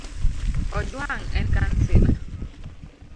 Ojwang en kansila.